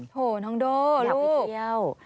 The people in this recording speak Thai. โธ่น้องโด่ลูกอยากไปเที่ยว